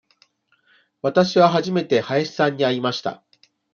わたしは初めて林さんに会いました。